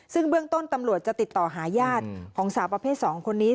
ซึ่งเบื้องต้นตำรวจจะติดต่อหาญาติของสาวประเภท๒คนนี้